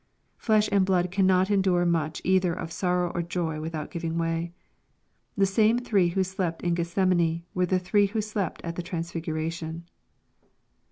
Flesh and blood cannot endure much either of sorrow or joy, without giving way. The same three who slept in G^th semane, were the three who slept at the transfiguration.